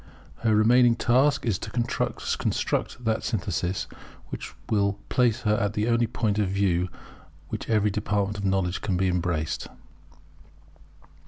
Her remaining task is to construct that synthesis which will place her at the only point of view from which every department of knowledge can be embraced.